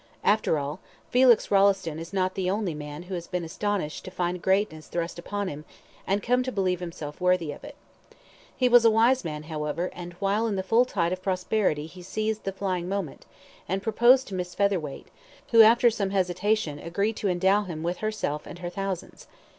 After all, Felix Rolleston is not the only man who has been astonished to find greatness thrust upon him, and come to believe himself worthy of it. He was a wise man, however, and while in the full tide of prosperity he seized the flying moment, and proposed to Miss Featherweight, who, after some hesitation, agreed to endow him with herself and her thousands.